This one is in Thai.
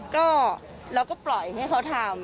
ก็เราก็ปล่อยให้เขาทำ